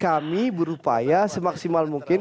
kami berupaya semaksimal mungkin